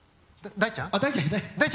大ちゃん